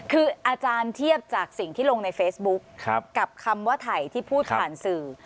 คืออาจารย์เทียบจากสิ่งที่ลงในเฟซบุ๊คกับคำว่าถ่ายที่พูดผ่านสื่อ